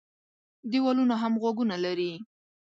دېوالونو هم غوږونه لري.